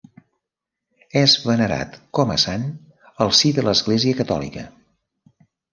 És venerat com a sant al si de l'església catòlica.